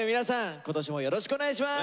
今年もよろしくお願いします。